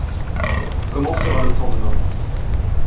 Comment sera le temps demain ?